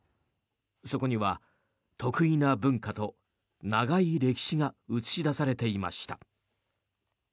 そこには特異な文化と長い歴史が映し出されていました。